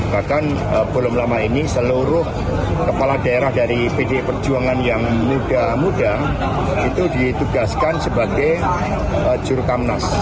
bahkan belum lama ini seluruh kepala daerah dari pdi perjuangan yang muda muda itu ditugaskan sebagai jurukamnas